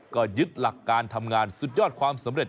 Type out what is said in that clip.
ก็ยึดหลักการทำงานสุดยอดความสำเร็จ